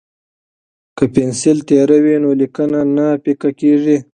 که پنسل تیره وي نو لیکنه نه پیکه کیږي.